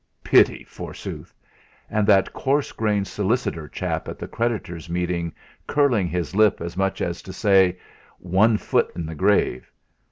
Pity, forsooth! And that coarse grained solicitor chap at the creditors' meeting curling his lip as much as to say: 'One foot in the grave!'